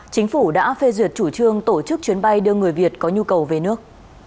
chính phủ đã phê duyệt chủ trương tổ chức chuyến bay đưa người việt có nhu cầu về nước